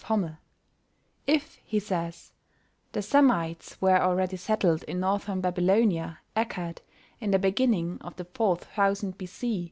Hommel: "If," he says, "the Semites were already settled in Northern Babylonia (Accad) in the beginning of the fourth thousand B.C.